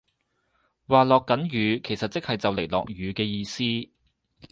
話落緊雨其實即係就嚟落雨嘅意思